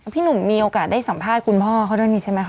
พี่หนุ่มมีโอกาสได้สัมภาษณ์คุณพ่อเขาด้วยนี่ใช่ไหมค